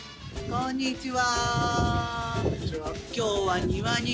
こんにちは。